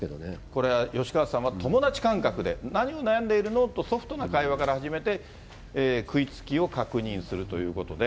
これ、吉川さんは、友達感覚で、何を悩んでいるの？とソフトな会話から始めて、食いつきを確認するということで。